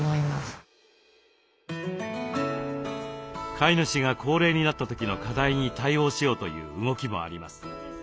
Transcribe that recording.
飼い主が高齢になった時の課題に対応しようという動きもあります。